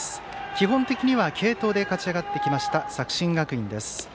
基本的には継投で勝ち上がってきた作新学院です。